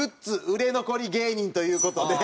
売れ残り芸人という事で。